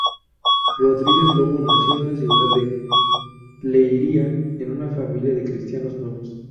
Rodrigues Lobo nació en la ciudad de Leiria en una familia de cristianos nuevos.